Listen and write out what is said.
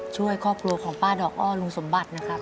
ช่วยครอบครัวของป้าดอกอ้อลุงสมบัตินะครับ